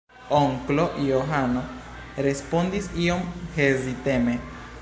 Onklo Johano respondis iom heziteme: